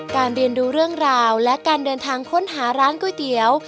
เรียนดูเรื่องราวและการเดินทางค้นหาร้านก๋วยเตี๋ยว